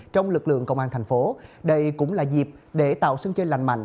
trong lực lượng công an tp hcm đây cũng là dịp để tạo sân chơi lành mạnh